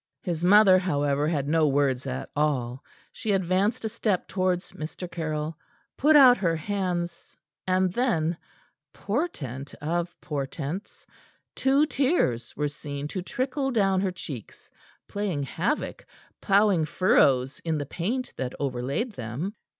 His mother, however, had no words at all. She advanced a step towards Mr. Caryll, put out her hands, and then portent of portents! two tears were seen to trickle down her cheeks, playing havoc, ploughing furrows in the paint that overlaid them.